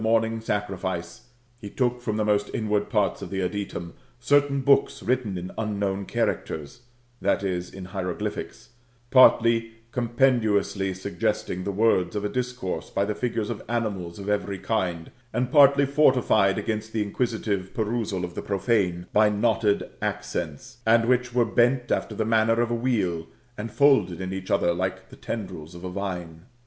tOj mominfl: sacrifice, Jie took from the most inward parts of the adytum, certain books written in unknown characters [t\e, in hieroglpyhics] ; partly compendiously suggesting the words of a discourse by the figures of animals of every kind ; and partly fortified against the inquisitive perusal of the profane, by knotted accents, and which were bent after the manner of a wheel, and folded in each other like the tendrils of a vine.